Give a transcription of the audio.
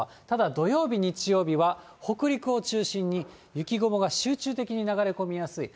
ただ土曜日、日曜日は北陸を中心に、雪雲が集中的に流れ込みます。